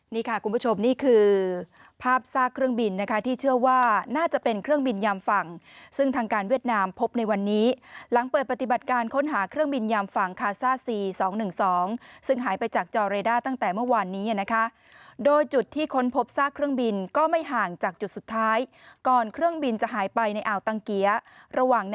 นี่ค่ะคุณผู้ชมนี่คือภาพซากเครื่องบินนะคะที่เชื่อว่าน่าจะเป็นเครื่องบินยามฝั่งซึ่งทางการเวียดนามพบในวันนี้หลังเปิดปฏิบัติการค้นหาเครื่องบินยามฝั่งคาซ่าซี๒๑๒ซึ่งหายไปจากจอเรด้าตั้งแต่เมื่อวานนี้นะคะโดยจุดที่ค้นพบซากเครื่องบินก็ไม่ห่างจากจุดสุดท้ายก่อนเครื่องบินจะหายไปในอ่าวตังเกียร